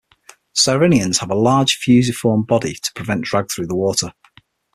Sirenians have a large, fusiform body to prevent drag through the water.